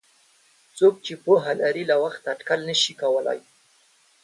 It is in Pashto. څوک چې پوهه لري له وخته اټکل نشي کولای.